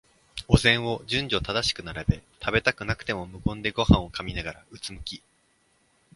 お膳を順序正しく並べ、食べたくなくても無言でごはんを噛みながら、うつむき、